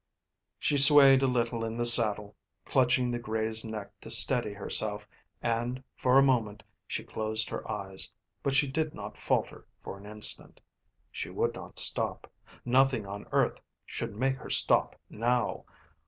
She swayed a little in the saddle, clutching the grey's neck to steady herself and for a moment she closed her eyes, but she did not falter for an instant. She would not stop; nothing on earth should make her stop now.